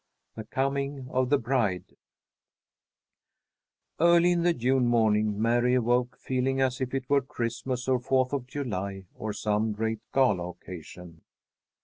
THE COMING OF THE BRIDE Early in the June morning Mary awoke, feeling as if it were Christmas or Fourth of July or some great gala occasion.